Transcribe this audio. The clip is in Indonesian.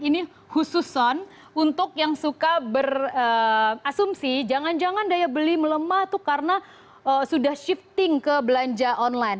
ini khususan untuk yang suka berasumsi jangan jangan daya beli melemah itu karena sudah shifting ke belanja online